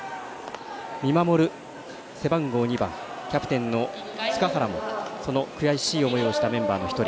見守る背番号２番キャプテンの塚原もその悔しい思いをしたメンバーの一人。